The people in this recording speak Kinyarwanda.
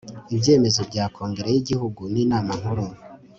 ibyemezo bya Kongere y igihugu n Inama Nkuru